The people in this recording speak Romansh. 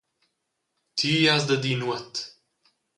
Ti has da dir nuot!